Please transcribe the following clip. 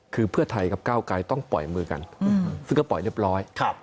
คือเพื่อไทยกับก้าวไกรต้องปล่อยมือกันซึ่งก็ปล่อยเรียบร้อย